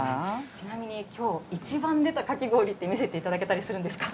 ちなみにきょう、一番出たかき氷って見せていただけたりするんですか？